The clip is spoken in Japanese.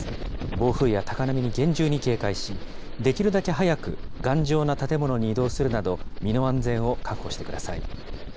暴風や高波に厳重に警戒し、できるだけ早く頑丈な建物に移動するなど、身の安全を確保してください。